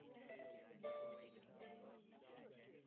以下时间为南美标准时间。